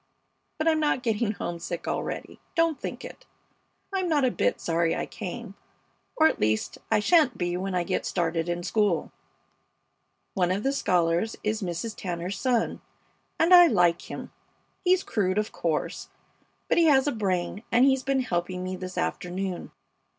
But I'm not getting homesick already; don't think it. I'm not a bit sorry I came, or at least I sha'n't be when I get started in school. One of the scholars is Mrs. Tanner's son, and I like him. He's crude, of course, but he has a brain, and he's been helping me this afternoon.